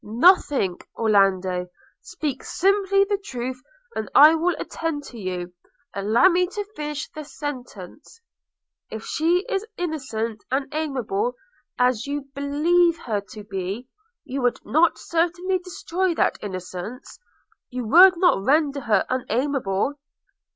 'Nothing, Orlando; speak simply the truth, and I will attend to you: allow me to finish the sentence – If she is innocent and amiable, as you believe her to be, you would not certainly destroy that innocence? you would not render her unamiable?'